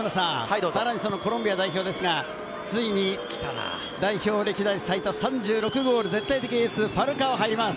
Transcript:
コロンビア代表ですが、ついに代表歴代最多３６ゴール、絶対的エース、ファルカオが入ります。